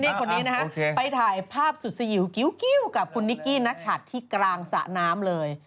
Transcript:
นี่คนนี้นะฮะไปถ่ายภาพสุดสยิวกิ๊วกับคุณนิกกี้นักฉัดที่กลางสระน้ำเลย